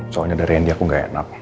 soalnya dari randy aku gak enak